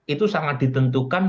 itu sangat ditentukan